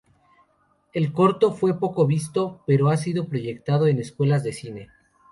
El corto fue poco visto, pero ha sido proyectado en escuelas de cine.